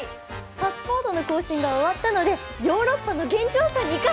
パスポートの更新が終わったのでヨーロッパの現地調査に行かせてください！